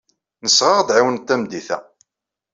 Nesra ad ɣ-tɛiwneḍ tameddit-a.